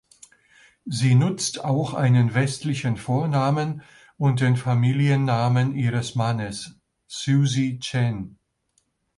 Sie nutzt auch einen westlichen Vornamen und den Familienname ihres Mannes ("Susie Chen").